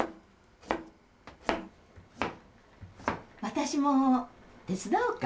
私も手伝おうか？